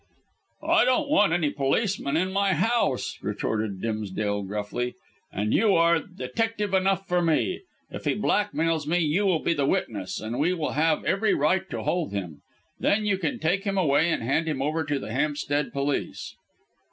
"I don't want any policeman in my house," retorted Dimsdale gruffly; "and you are detective enough for me. If he blackmails me, you will be the witness, and we will have every right to hold him. Then you can take him away and hand him over to the Hampstead police."